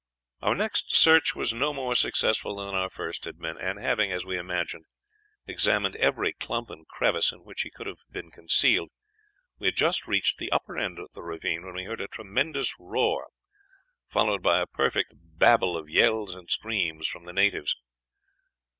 Our next search was no more successful than our first had been; and having, as we imagined, examined every clump and crevice in which he could have been concealed, we had just reached the upper end of the ravine, when we heard a tremendous roar, followed by a perfect babel of yells and screams from the natives.